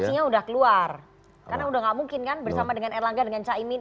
karena sudah tidak mungkin bersama dengan erlangga dengan caimin